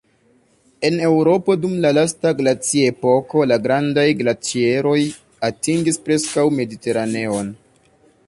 En Eŭropo dum la lasta glaciepoko la grandaj glaĉeroj atingis preskaŭ Mediteraneon.